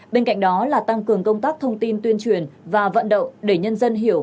bên cạnh đó là tăng cường công tác thông tin tuyên truyền và vận động để nhân dân hiểu